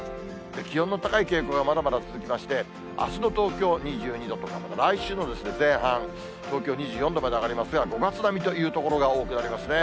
気温の高い傾向がまだまだ続きまして、あすの東京２２度と、来週の前半、東京２４度まで上がりますが、５月並みという所が多くなりますね。